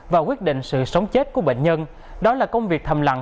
và quyết định sự sống chết của bệnh nhân đó là công việc thầm lặng